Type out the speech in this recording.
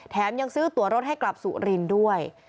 ยังซื้อตัวรถให้กลับสุรินทร์ด้วย